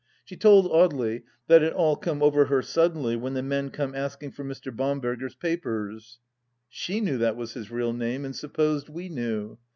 She told Audely that " it come all over her suddenly when the men come asking for Mr. Bamberger's papers." She knew that was his real name, and supposed we knew.